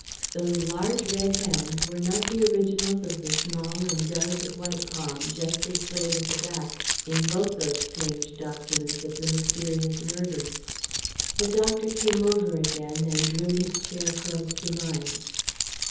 Those large red hands were not the originals of the small and delicate white palm just displayed at the back in both those strange documents of the mysterious murder. The doctor came over again, and drew his chair close to mine.